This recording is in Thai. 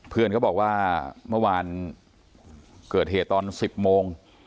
เพื่อนเขาบอกว่าเมื่อวานเกิดเหตุตอน๑๐โมง